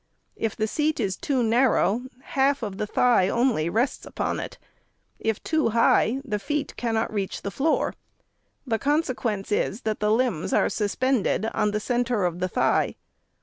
If the seat is too narrow, half the thigh only rests upon it; if too high, the feet cannot reach the floor ; the consequence is, that the limbs are suspended on the centre of the thigh.